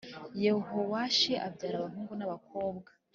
Yehowashi abyara abahungu n’ abakobwa